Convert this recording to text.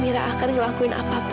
mirai akan melakukan apapun